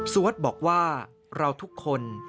สวดบอกว่าเราทุกคน